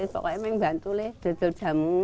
pokoknya membantu jual jamu